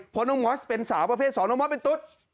เพราะน้องมอสเป็นสาวประเภท๒น้องมอสเป็นตุ๊ด